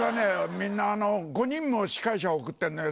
みんな５人も司会者を送ってんの。